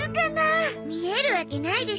見えるわけないでしょ。